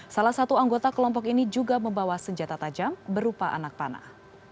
salah satu anggota kelompok ini juga membawa senjata tajam berupa anak panah